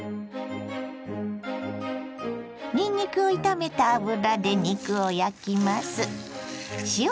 にんにくを炒めた油で肉を焼きます。